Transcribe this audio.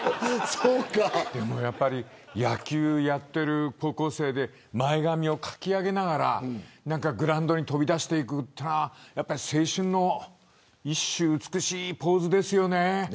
野球やってる高校生で前髪をかき上げながらグラウンドに飛び出していくというのは青春の一種美しいポーズですよね。